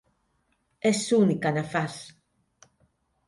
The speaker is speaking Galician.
Es única na faz!